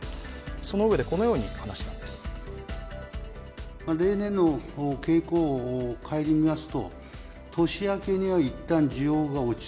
そのうえで、このように話しています。